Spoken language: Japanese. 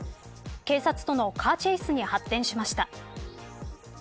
警察とのカーチェイスに発展しました。